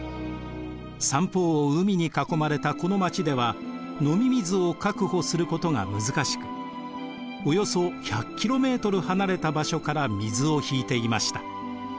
三方を海に囲まれたこの街では飲み水を確保することが難しくおよそ１００ｋｍ離れた場所から水を引いていました。